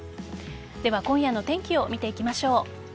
では今夜の天気を見ていきましょう。